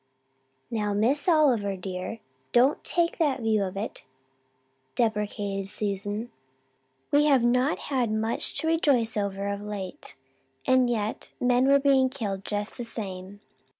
"Now, Miss Oliver dear, do not take that view of it," deprecated Susan. "We have not had much to rejoice over of late and yet men were being killed just the same.